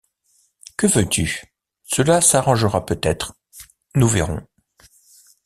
Que veux-tu? cela s’arrangera peut-être, nous verrons.